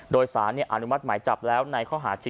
โดยสารอนุมัติหมายจับแล้วใน